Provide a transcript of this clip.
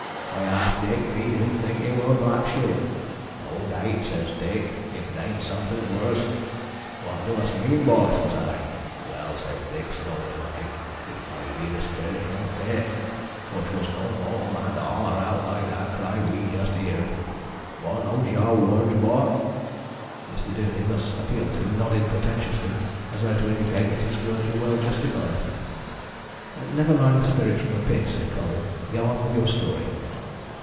I asked Dick if he didn't think it wor Black Shuck. 'Naw daywt,' says Dick, 'if it ain't somefin' worse.' 'What do'st a' mean, bor?' says I. 'Well,' says Dick slowly like, 'it might be the sperrit from th' pit, for 'twas in no mortal man to holler out like that cry we just heered.' Wornt those yower words, bor?" Mr. Duney, thus appealed to, nodded portentously, as though to indicate that his words were well justified. "Never mind the spirit from the pit," said Colwyn. "Go on with your story."